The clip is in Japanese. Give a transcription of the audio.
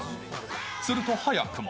すると早くも。